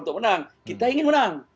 untuk menang kita ingin menang